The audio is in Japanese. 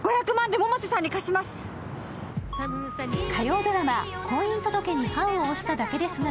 火曜ドラマ「婚姻届に判を捺しただけですが」